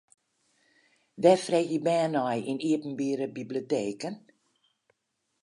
Wêr freegje bern nei yn iepenbiere biblioteken?